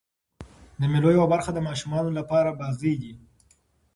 د مېلو یوه برخه د ماشومانو له پاره بازۍ دي.